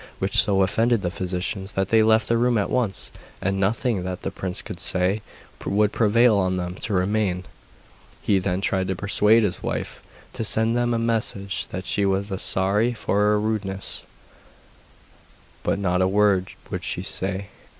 which so offended the physicians that they left the room at once, and nothing that the prince could say would prevail on them to remain. He then tried to persuade his wife to send them a message that she was sorry for her rudeness, but not a word would she say.